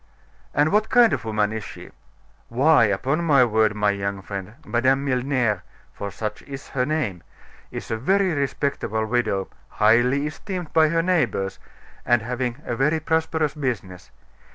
"And what kind of woman is she?" "Why, upon my word, my young friend, Madame Milner for such is her name is a very respectable widow (highly esteemed by her neighbors) and having a very prosperous business.